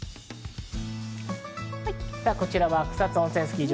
こちらは草津温泉スキー場。